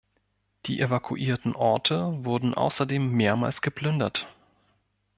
Die evakuierten Orte wurden außerdem mehrmals geplündert.